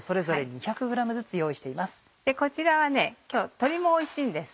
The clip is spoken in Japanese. こちらは今日鶏もおいしいんです。